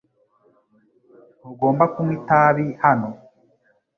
Ntugomba kunywa itabi hano .